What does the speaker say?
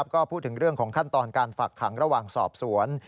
ก็พูดถึงเรื่องของขั้นตอนการฝักขังระหว่างสอบสวน